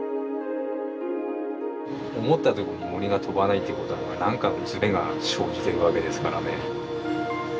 思ったとこに銛が飛ばないってことは何かのずれが生じてるわけですからね。